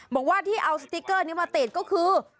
บอกว่าที่เอาสติ๊กเกอร์นี้มาติดก็คือ